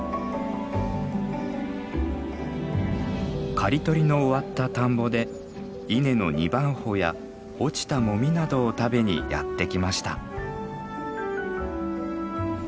刈り取りの終わった田んぼで稲の二番穂や落ちたもみなどを食べにやって来ました。